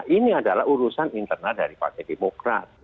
ini adalah urusan internal dari partai demokrat